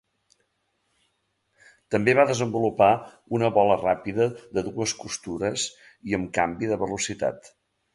També va desenvolupar una bola ràpida de dues costures i amb canvi de velocitat.